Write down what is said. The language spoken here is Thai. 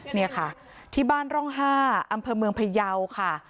นี่ค่ะที่บ้านร่อง๕อำเภอเมืองพยาวค่ะ